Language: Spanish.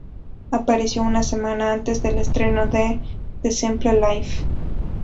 Apareció una semana antes del estreno de "The Simple Life".